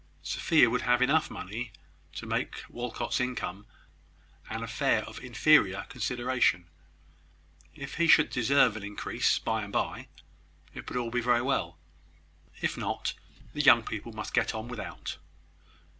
Sophia would have enough money to make Walcot's income an affair of inferior consideration. If he should deserve an increase by and by, it would be all very well. If not, the young people must get on without.